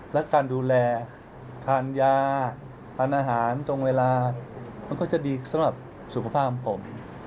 และการดูแลทานยาทานอาหารตรงเวลามันก็จะดีสำหรับสุขภาพของผม